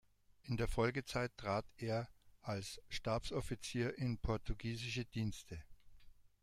In der Folgezeit trat er als Stabsoffizier in portugiesische Dienste.